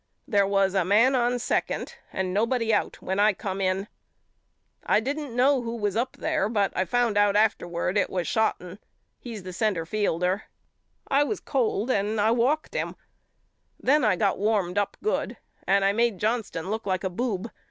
There was a man on second and nobody out when I come A BUSKER'S LETTERS HOME 35 in. I didn't know who was up there but I found out afterward it was Shotten. He's the center fielder. I was cold and I walked him. Then I got warmed up good and I made Johnston look like a boob.